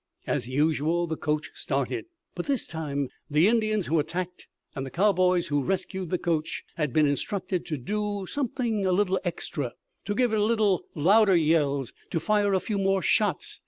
As usual, the coach started. But this time the Indians who attacked and the cowboys who rescued the coach had been instructed to "do something a little extra," to give a little louder yells, to fire a few more shots.